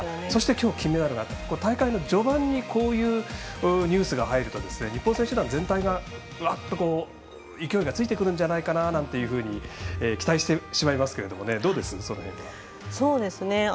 そして、きょう金メダルと大会の序盤にこういうニュースが入ると、日本選手団全体がうわっと勢いがついてくるんじゃないかと期待してしまいますけどどうですか、その辺は。